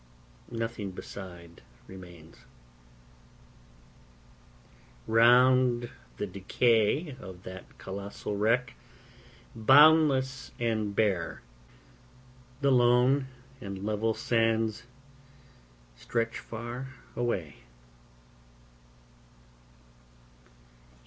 'Nothing beside remains. Round the decayOf that colossal wreck, boundless and bare, The lone and level sands stretch far away.